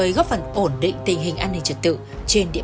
đối với góp phần ổn định tình hình an ninh trật tự trên địa